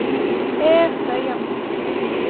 Эх, тыйым!